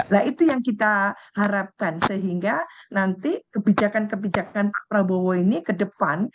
nah itu yang kita harapkan sehingga nanti kebijakan kebijakan pak prabowo ini ke depan